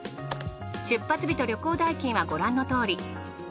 出発日と旅行代金はご覧のとおり。